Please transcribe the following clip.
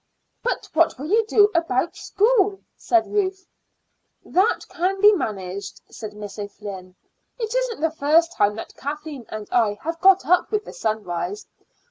"But what will you do about school?" said Ruth. "That can be managed," said Miss O'Flynn. "It isn't the first time that Kathleen and I have got up with the sunrise.